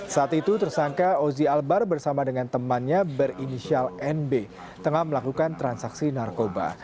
saat itu tersangka ozi albar bersama dengan temannya berinisial nb tengah melakukan transaksi narkoba